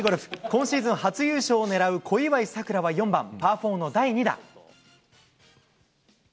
今シーズン初優勝を狙う小祝さくらは４番パー４の第２打。